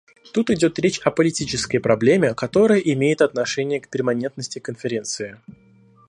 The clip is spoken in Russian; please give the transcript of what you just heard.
Тут идет речь о политической проблеме, которая имеет отношение к перманентности Конференции.